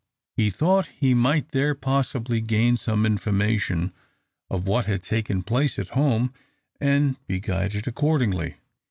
He thought he might there possibly gain some information of what had taken place at home, and be guided accordingly.